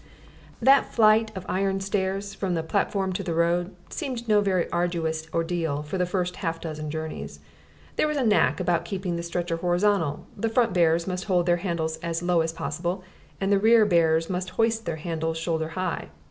That flight of iron stairs from the platform to the road seemed no very arduous ordeal for the first half dozen journeys. There was a knack about keeping the stretcher horizontal: the front bearers must hold their handles as low as possible; the rear bearers must hoist their handles shoulder high.